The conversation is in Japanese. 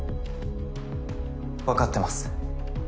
わかってます。